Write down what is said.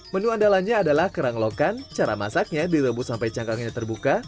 menu andalannya adalah kerang lokan cara masaknya direbus sampai cangkangnya terbuka